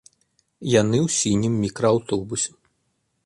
Яны ў сінім мікрааўтобусе.